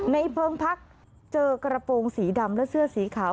เพิงพักเจอกระโปรงสีดำและเสื้อสีขาว